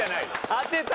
当てた。